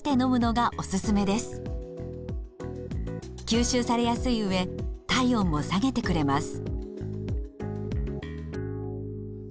吸収されやすいうえ体温も下げてくれます。